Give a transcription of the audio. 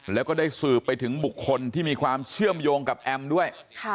แล้วก็ได้สืบไปถึงบุคคลที่มีความเชื่อมโยงกับแอมด้วย